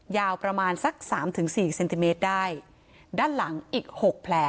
ยาวประมาณสักสามถึงสี่เซนติเมตรได้ด้านหลังอีกหกแผล